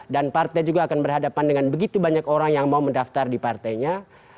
dan partai juga akan berhadapan dengan begitu banyak orang yang mau mendaftar di partainya